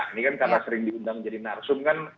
ini kan karena sering diundang jadi narsum kan